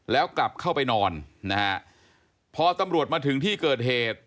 แล้วกลับเข้าไปนอนนะฮะพอตำรวจมาถึงที่เกิดเหตุ